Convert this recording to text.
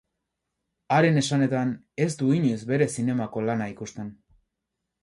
Haren esanetan, ez du inoiz bere zinemako lana ikusten.